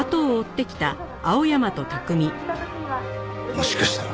もしかしたら。